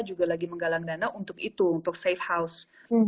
juga lagi menggalang dana untuk itu untuk safe house